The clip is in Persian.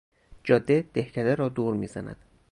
جاده دهکده را دور میزند.